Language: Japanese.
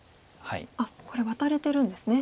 これワタれてるんですね。